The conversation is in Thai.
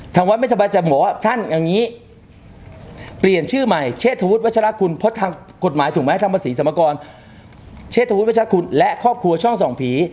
ทางวัดไม่สบายใจบอกว่าท่านอย่างนี้เปลี่ยนชื่อใหม่เชษฐวุฒิวัชรคุณเพราะทางกฎหมายถูกไหมทางภาษีสมกรเชษฐวุฒิวัชคุณและครอบครัวช่องส่องผี